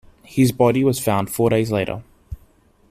His body was found four days later.